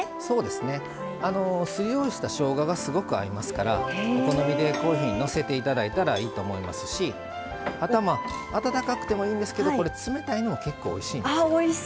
すりおろしたしょうががすごく合いますからお好みでのせていただいたらいいと思いますしあとは温かくてもいいんですけど冷たいのも結構おいしいんです。